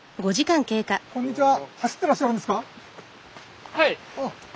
こんにちは。